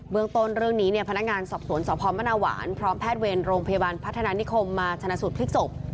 เมืองต้นเรื่องนี้เนี่ยพนักงานสอบสวนสพมนาหวานพร้อมแพทย์เวรโรงพยาบาลพัฒนานิคมมาชนะสูตรพลิกศพ